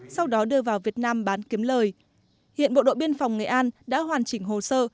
sau đó đưa vào việt nam bán kiếm lời hiện bộ đội biên phòng nghệ an đã hoàn chỉnh hồ sơ